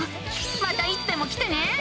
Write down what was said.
またいつでも来てね。